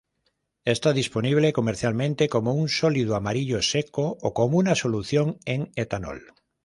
Está disponible comercialmente como un sólido amarillo seco, o como una solución en etanol.